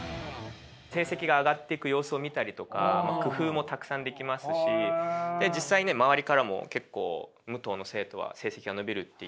成績が上がっていく様子を見たりとか工夫もたくさんできますし実際ね周りからも結構武藤の生徒は成績が伸びるって。